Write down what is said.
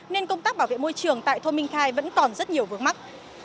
nên công tác bảo vệ môi trường tại thôn minh khai vẫn còn rất nhiều vướng mắt